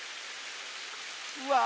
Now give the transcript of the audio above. うわ！